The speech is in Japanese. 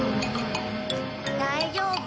大丈夫？